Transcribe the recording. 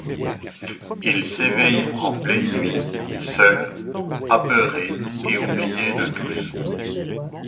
Il s'éveille en pleine nuit, seul, apeuré et oublié de tous.